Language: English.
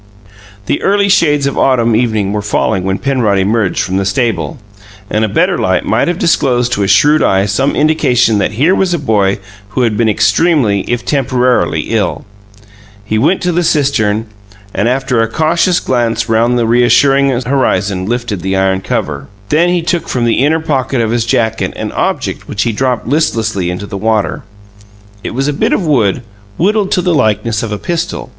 The early shades of autumn evening were falling when Penrod emerged from the stable; and a better light might have disclosed to a shrewd eye some indications that here was a boy who had been extremely, if temporarily, ill. He went to the cistern, and, after a cautious glance round the reassuring horizon, lifted the iron cover. Then he took from the inner pocket of his jacket an object which he dropped listlessly into the water: it was a bit of wood, whittled to the likeness of a pistol.